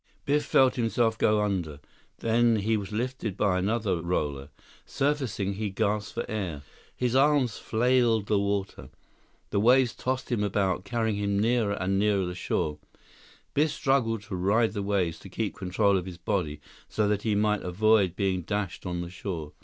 Biff felt himself go under. Then he was lifted by another roller. Surfacing, he gasped for air. His arms flailed the water. The waves tossed him about, carrying him nearer and nearer the shore. Biff struggled to ride the waves, to keep control of his body so that he might avoid being dashed on the shore.